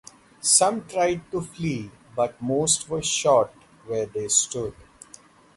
Some tried to flee, but most were shot where they stood.